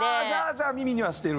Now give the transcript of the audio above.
じゃあ耳にはしてる？